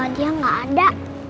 dia gak ada